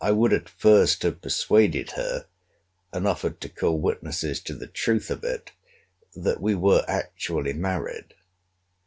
I would at first have persuaded her, and offered to call witnesses to the truth of it, that we were actually married.